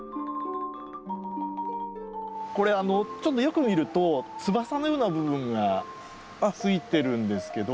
これよく見ると翼のような部分がついてるんですけど。